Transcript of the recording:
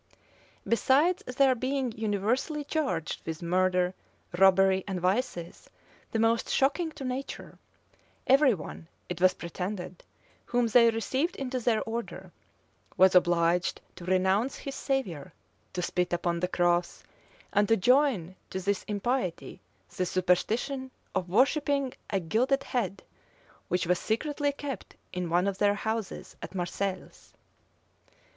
Besides their being universally charged with murder, robbery, and vices the most shocking to nature, every one, it was pretended, whom they received into their order, was obliged to renounce his Savior, to spit upon the cross,[*] and to join to this impiety the superstition of worshipping a gilded head, which was secretly kept in one of their houses at Marseilles.